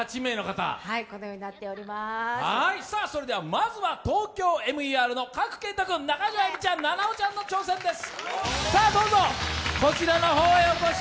まずは、「ＴＯＫＹＯＭＥＲ」の賀来賢人君、中条あやみちゃん、菜々緒さんの挑戦です。